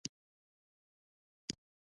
زه د پلور دا معامله نه شم پرېښودلی.